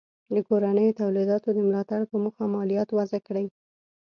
د کورنیو تولیداتو د ملاتړ په موخه مالیات وضع کړي.